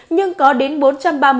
nhưng có đến bốn trăm linh ca mắc mới